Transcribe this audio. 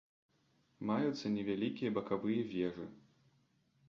Маюцца невялікія бакавыя вежы.